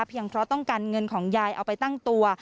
เพราะต้องการเงินของยายเอาไปตั้งตัว